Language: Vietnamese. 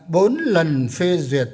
bốn lần phê duyệt